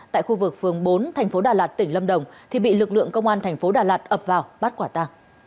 tại khu vực phường bốn tp đà lạt tỉnh lâm đồng thì bị lực lượng công an tp đà lạt ập vào bắt quả ta